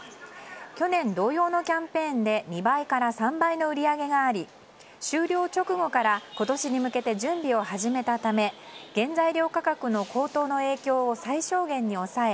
去年、同様のキャンペーンで２倍から３倍の売り上げがあり終了直後から今年に向けて準備を始めたため原材料価格の高騰の影響を最小限に抑え